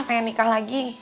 pengen nikah lagi